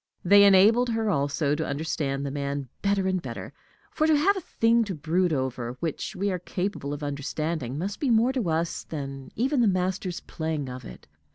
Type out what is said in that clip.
They enabled her also to understand the man better and better; for to have a thing to brood over which we are capable of understanding must be more to us than even the master's playing of it.